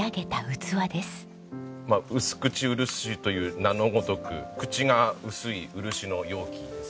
うすくちうるしという名のごとく口が薄い漆の容器ですね。